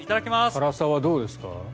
辛さはどうですか？